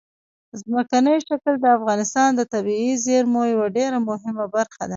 ځمکنی شکل د افغانستان د طبیعي زیرمو یوه ډېره مهمه برخه ده.